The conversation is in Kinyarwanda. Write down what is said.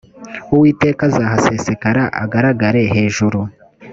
uwiteka azahasesekara agaragare hejuru